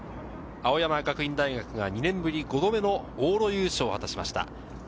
青山学院大学が２年ぶり５度目の往路優勝を果たしました。